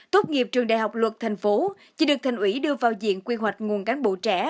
tốt nghiệp trường đại học luật tp hcm chỉ được thành ủy đưa vào diện quy hoạch nguồn cán bộ trẻ